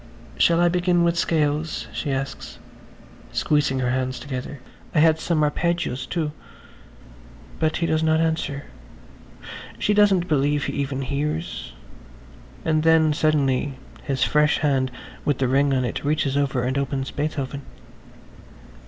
"Shall I begin with scales?" she asks, squeezing her hands together. "I had some arpeggios, too." But he does not answer. She doesn't believe he even hears ... and then suddenly his fresh hand with the ring on it reaches over and opens Beethoven.